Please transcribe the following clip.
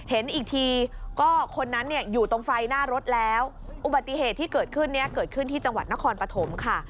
เห็นอีกทีก็คนนั้นเนี่ยอยู่ตรงไฟหน้ารถแล้วอุบัติเหตุที่เกิดขึ้นเนี่ยเกิดขึ้นที่จังหวัดนครปฐมค่ะ